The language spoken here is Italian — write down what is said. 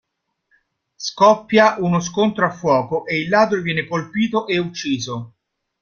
Scoppia uno scontro a fuoco e il ladro viene colpito e ucciso.